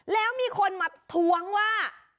แล้วมีคนมาท้วงว่า